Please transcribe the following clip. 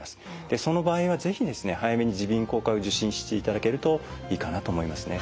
その場合は是非早めに耳鼻咽喉科を受診していただけるといいかなと思いますね。